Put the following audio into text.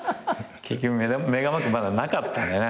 結局メガマックまだなかったね